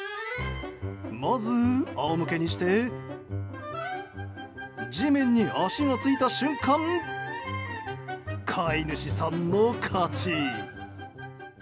まず仰向けにして地面に足が着いた瞬間飼い主さんの勝ち！